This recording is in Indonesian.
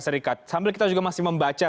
serikat sambil kita juga masih membaca